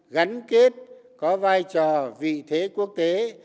gắn kết có vai trò vị thế quốc tế